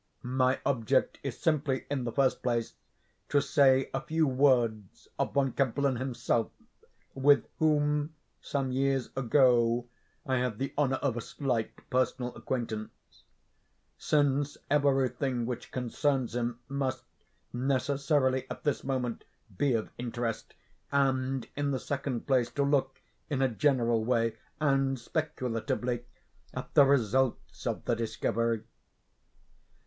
My object is simply, in the first place, to say a few words of Von Kempelen himself (with whom, some years ago, I had the honor of a slight personal acquaintance), since every thing which concerns him must necessarily, at this moment, be of interest; and, in the second place, to look in a general way, and speculatively, at the results of the discovery.